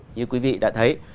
như quý vị đã thấy